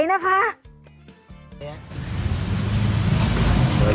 จัดกระบวนพร้อมกัน